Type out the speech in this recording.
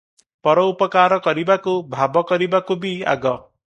ପର ଉପକାର କରିବାକୁ, ଭାବ କରିବାକୁ ବି ଆଗ ।